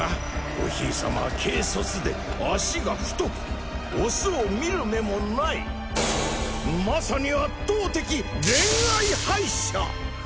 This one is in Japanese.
おひいさまは軽率で脚が太くオスを見る目もないまさに圧倒的恋愛敗者！